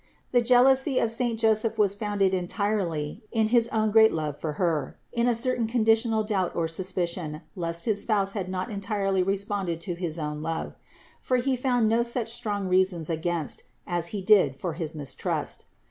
The jealousy of saint Joseph was founded entirely in his own great love for Her, in a certain conditional doubt or suspicion lest his Spouse had not entirely responded to his own love ; for he found no such strong reasons against, as he did for his mistrust.